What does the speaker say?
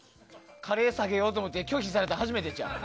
カレー下げようと思って拒否されたの初めてちゃう？